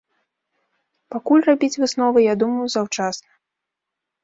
Пакуль рабіць высновы, я думаю, заўчасна.